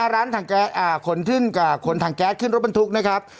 ร้านถังแก๊สขนถังแก๊สขึ้นรถบรรทุกนะครับ